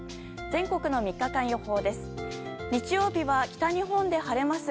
全国の３日間予報です。